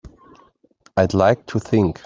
I'd like to think.